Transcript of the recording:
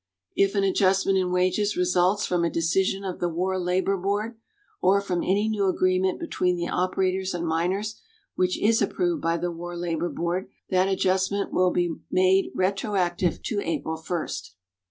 If an adjustment in wages results from a decision of the War Labor Board, or from any new agreement between the operators and miners, which is approved by the War Labor Board, that adjustment will be made retroactive to April first.